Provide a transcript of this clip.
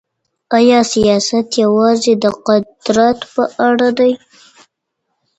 آیا سیاست یوازې د قدرت په اړه دی؟